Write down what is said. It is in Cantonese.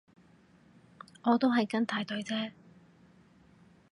我都係跟大隊啫